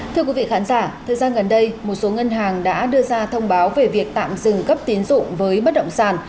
thưa quý vị khán giả thời gian gần đây một số ngân hàng đã đưa ra thông báo về việc tạm dừng cấp tín dụng với bất động sản